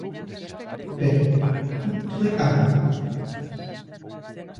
Pero ¿por cento de canto?